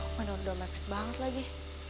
mana udah mepet banget lagi